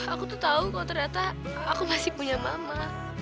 aku tuh tahu kok ternyata aku masih punya mama